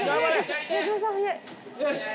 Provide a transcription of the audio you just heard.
よし！